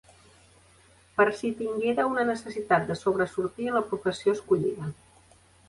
Per si tinguera una necessitat de sobresortir en la professió escollida.